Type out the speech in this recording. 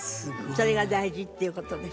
それが大事っていう事でしたね。